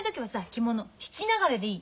着物質流れでいい。